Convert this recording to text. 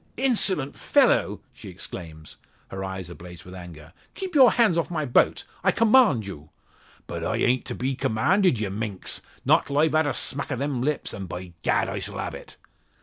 "Insolent fellow!" she exclaims, her eyes ablaze with anger. "Keep your hands off my boat. I command you!" "But I ain't to be c'mmanded, ye minx. Not till I've had a smack o' them lips; an' by Gad I s'll have it."